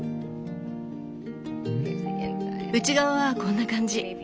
内側はこんな感じ。